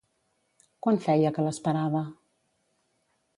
Quant feia que l'esperava?